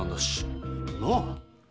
なあ！